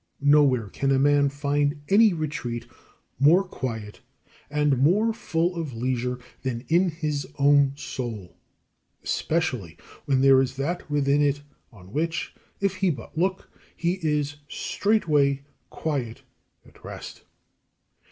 Nowhere can a man find any retreat more quiet and more full of leisure than in his own soul; especially when there is that within it on which, if he but look, he is straightway quite at rest.